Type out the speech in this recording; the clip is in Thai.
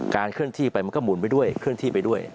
เคลื่อนที่ไปมันก็หมุนไปด้วยเคลื่อนที่ไปด้วย